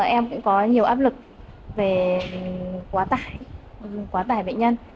em cũng có nhiều áp lực về quá tải quá tải bệnh nhân